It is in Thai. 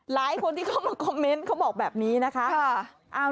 หลายคนที่เข้ามาคอมเมนต์เขาบอกแบบนี้นะคะ